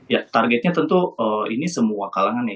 ya targetnya tentu ini semua kalangan ya